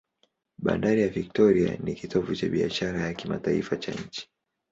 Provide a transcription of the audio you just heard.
Bandari ya Victoria ni kitovu cha biashara ya kimataifa cha nchi.